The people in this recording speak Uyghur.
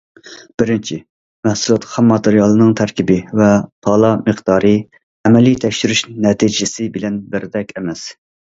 بىرىنچى، مەھسۇلات خام ماتېرىيالىنىڭ تەركىبى ۋە تالا مىقدارى ئەمەلىي تەكشۈرۈش نەتىجىسى بىلەن بىردەك ئەمەس.